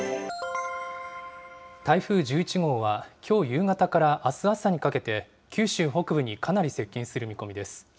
台風１１号は、きょう夕方からあす朝にかけて、九州北部にかなり接近する見込みです。